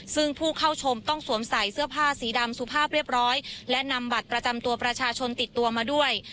ซึ่งผู้เข้าชมต้องสวมใส่เสื้อผ้าสีดำสุภาพเรียบร้อยและนำบัตรประจำตัวประชาชนติดตัวมาด้วย